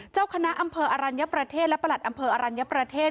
เจ้าคณะอำเภออรัญญประเทศและประหลัดอำเภออรัญญประเทศ